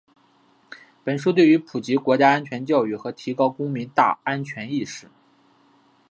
本书对于普及国家安全教育和提高公民“大安全”意识